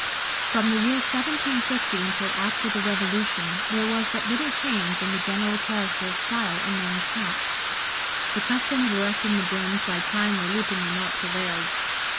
[Illustration: 1750] From the year 1750 until after the Revolution there was but little change in the general character of style in men's hats: the custom of erecting the brims by tying or looping them up prevailed.